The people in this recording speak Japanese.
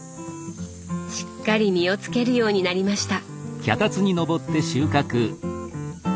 しっかり実をつけるようになりました。